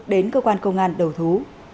đến cơ quan công an đầu thú